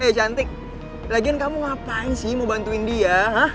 oke cantik lagian kamu ngapain sih mau bantuin dia